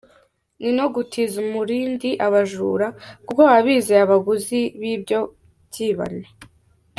Ni no gutiza umurindi abajura kuko baba bizeye abaguzi b’ibyo byibano.